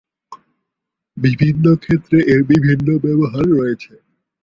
বিভিন্ন ক্ষেত্রে এর বিভিন্ন ব্যবহার রয়েছে।